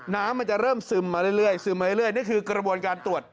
น้ำมันจะเริ่มซึมมาเรื่อยซึมมาเรื่อยนี่คือกระบวนการตรวจ